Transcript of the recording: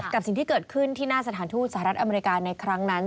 กับสิ่งที่เกิดขึ้นที่หน้าสถานทูตสหรัฐอเมริกาในครั้งนั้น